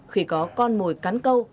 khi có con mồi cắn câu